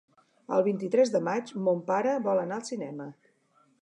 El vint-i-tres de maig mon pare vol anar al cinema.